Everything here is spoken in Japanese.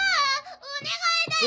お願いだよ